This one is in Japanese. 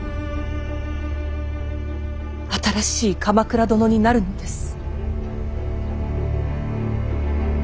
新しい鎌倉殿になるのです。